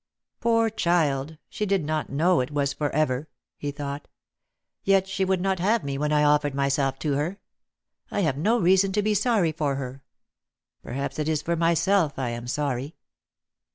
" Poor child, she did not know it was for ever," he thought. " Yet she would not have me when I offered myself to her. I have no reason to be sorry for her. Perhaps it is for myself I am sorry."